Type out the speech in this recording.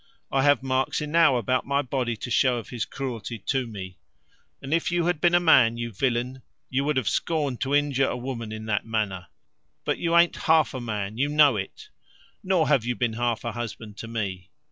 I have marks enow about my body to show of his cruelty to me. If you had been a man, you villain, you would have scorned to injure a woman in that manner. But you an't half a man, you know it. Nor have you been half a husband to me.